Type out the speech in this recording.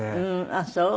あっそう。